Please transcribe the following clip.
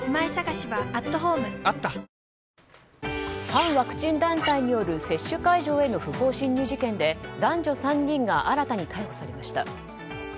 反ワクチン団体による接種会場への不法侵入事件で男女３人が新たに逮捕されました。